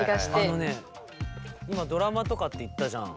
あのね今ドラマとかって言ったじゃん。